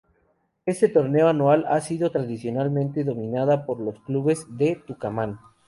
Este torneo anual ha sido tradicionalmente dominada por los clubes de Tucumán.